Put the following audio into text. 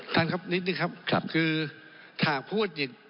ท่านครับนิดนึงครับคือถ้าพูดหยิบ